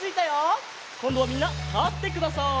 こんどはみんなたってください。